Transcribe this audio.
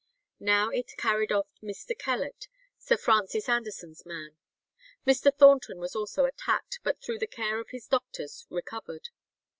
Now it carried off Mr. Kellet, Sir Francis Anderson's man. Mr. Thornton was also attacked, but through the care of his doctors recovered.